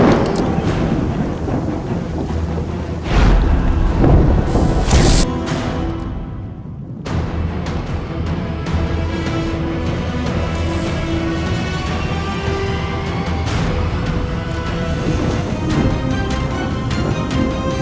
aku tidak bisa melawan kekuatan ini